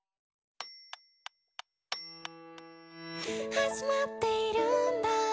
「始まっているんだ